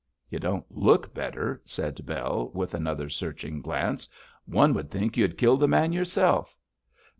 'You don't look better,' said Bell, with another searching glance. 'One would think you had killed the man yourself!'